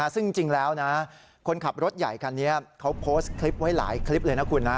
ซึ่งจริงแล้วนะคนขับรถใหญ่คันนี้เขาโพสต์คลิปไว้หลายคลิปเลยนะคุณนะ